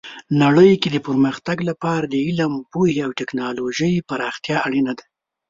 نړۍ کې د پرمختګ لپاره د علم، پوهې او ټیکنالوژۍ پراختیا اړینه ده.